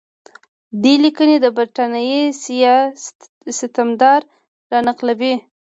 دې لیکنې د برټانیې سیاستمدار را نقلوي.